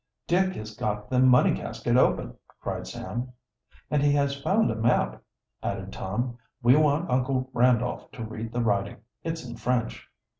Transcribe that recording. "Dick has got the money casket open!" cried Sam. "And he has found a map," added Tom. "We want Uncle Randolph to read the writing. It's in French."